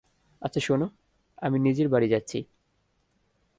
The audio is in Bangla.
আচ্ছা শোনো, আমি নিজের বাড়ি যাচ্ছি।